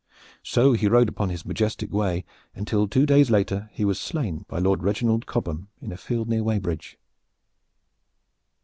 So he rode upon his majestic way, until two days later he was slain by Lord Reginald Cobham in a field near Weybridge.